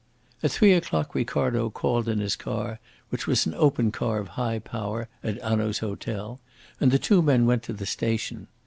At three o'clock Ricardo called in his car, which was an open car of high power, at Hanaud's hotel, and the two men went to the station.